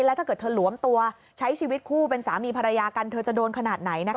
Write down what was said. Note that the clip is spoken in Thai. แล้วถ้าเกิดเธอหลวมตัวใช้ชีวิตคู่เป็นสามีภรรยากันเธอจะโดนขนาดไหนนะคะ